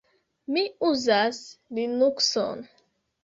Mi uzas Linukson.